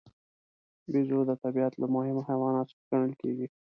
بیزو د طبیعت له مهمو حیواناتو څخه ګڼل کېږي.